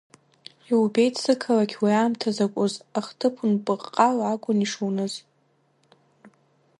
Иубеит, сықалақь, уи аамҭа закәыз, ахҭыԥ унпыҟҟала акәын ишуныз!